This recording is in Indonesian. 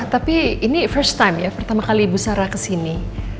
tapi ini first time ya pertama kali ibu sarah ke sini